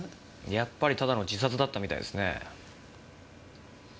やっぱりただの自殺だったみたいですね。